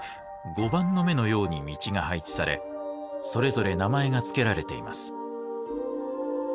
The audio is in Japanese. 碁盤の目のように道が配置されそれぞれ名前が付けられています。